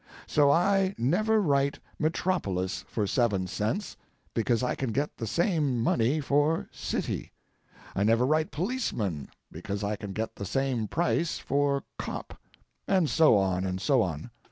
So I never write 'metropolis' for seven cents, because I can get the same money for 'city.' I never write 'policeman,' because I can get the same price for 'cop.' And so on and so on.